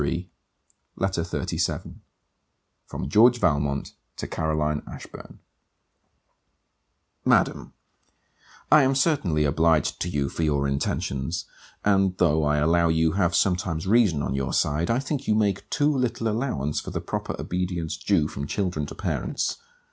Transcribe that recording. FILMAR LETTER XXXVII FROM GEORGE VALMONT TO CAROLINE ASHBURN Madam, I am certainly obliged to you for your intentions; and though I allow you have sometimes reason on your side, I think you make too little allowance for the proper obedience due from children to parents.